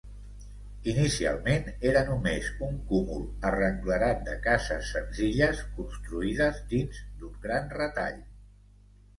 Inicialment, era només un cúmul arrenglerat de cases senzilles construïdes dins d'un gran retall.